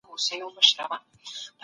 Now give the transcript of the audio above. خليل احمد څارن